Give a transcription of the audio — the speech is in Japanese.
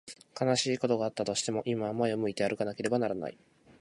悲しいことがあったとしても、今は前を向いて歩かなければならない。